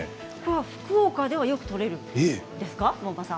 福岡ではよく採れるんですか。